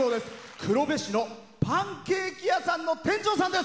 黒部市のパンケーキ屋さんの店長さんです。